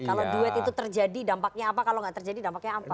kalau duet itu terjadi dampaknya apa kalau nggak terjadi dampaknya apa